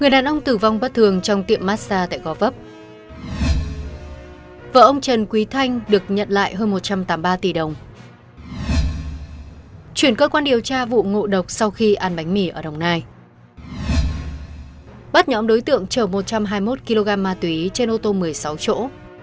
các bạn hãy đăng kí cho kênh lalaschool để không bỏ lỡ những video hấp dẫn